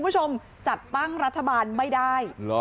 จัดตั้งรัฐบาลไม่ได้